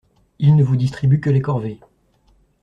Il ne vous distribue que les corvées.